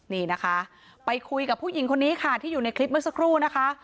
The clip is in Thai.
นี่นะคะไปคุยกับผู้หญิงคนนี้ค่ะที่อยู่ในคลิปเมื่อสักครู่นะคะ